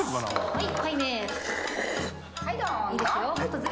はい。